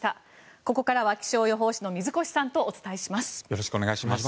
ここからは気象予報士の水越さんとお伝えします。